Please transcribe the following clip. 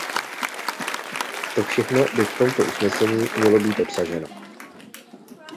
To všechno by v tomto usnesení mělo být obsaženo.